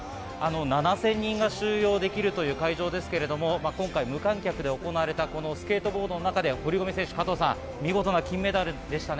７０００人が収容できるという会場ですけれど、今回、無観客で行われた、このスケートボードの中で堀米選手、見事な金メダルでしたね。